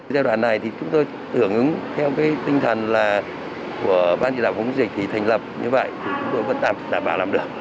giai đoạn này chúng tôi tưởng ứng theo tinh thần của ban chỉ đạo phóng dịch thành lập như vậy chúng tôi vẫn đảm bảo làm được